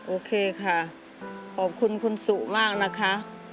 โอเคค่ะขอบคุณคุณสุมากนะคะ